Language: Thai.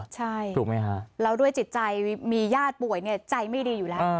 ใช่แล้วด้วยจิตใจมียาดป่วยใจมันไม่ดีอยู่แล้ว